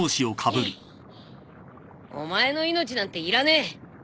お前の命なんていらねえ。